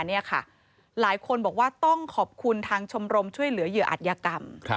หลายคนบอกว่าต้องขอบคุณทางชมรมช่วยเหลือเหยื่ออัตยกรรม